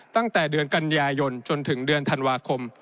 ตั้งแต่เดือนกันยายนจนถึงเดือนธันวาคม